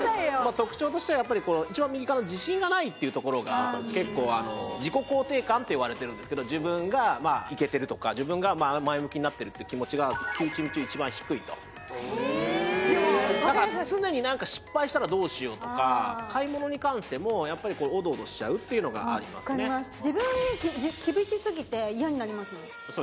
特徴としてはやっぱり一番右側の自信がないというところが「自己肯定感」といわれてるんですけど自分がイケてるとか自分が前向きになってるって気持ちが９チーム中一番低いとだから常に何か失敗したらどうしようとか買い物に関してもおどおどしちゃうっていうのがありますね分かりますえ！？